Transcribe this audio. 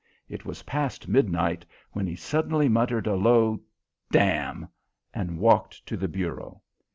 It was past midnight when he suddenly muttered a low "Damn!" and walked to the bureau.